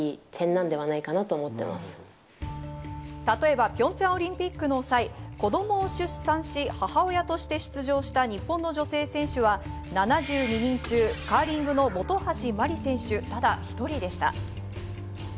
例えばピョンチャンオリンピックの際、子どもを出産し、母親として出場した日本の女性選手は７２人中カーリングの本橋麻里選手、ただ一人でした。